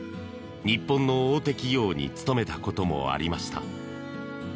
日本の大手企業に勤めたこともありました。